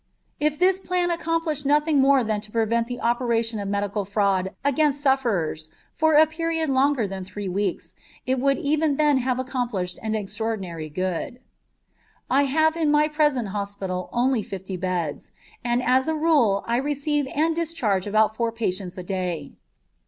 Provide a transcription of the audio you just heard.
If this plan accomplished nothing more than to prevent the operation of medical fraud against sufferers for a period longer than three weeks, it would even then have accomplished an extraordinary good. I have in my present hospital only fifty beds, and as a rule I receive and discharge about four patients a day.